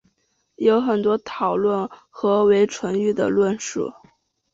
有很多讨论何为纯育的论述。